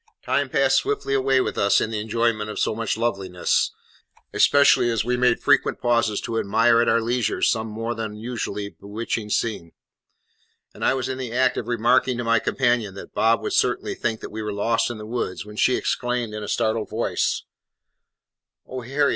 Time passed swiftly away with us in the enjoyment of so much loveliness, especially as we made frequent pauses to admire at our leisure some more than usually bewitching scene; and I was in the act of remarking to my companion that Bob would certainly think we were lost in the woods, when she exclaimed in a startled voice: "Oh, Harry!